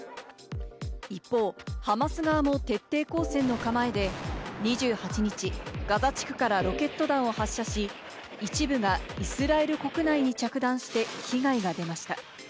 一方、ハマス側も徹底抗戦の構えで２８日、ガザ地区からロケット弾を発射し、一部がイスラエル国内に着弾して被害が出ました。